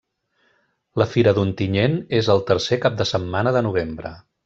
La fira d'Ontinyent és el tercer cap de setmana de novembre.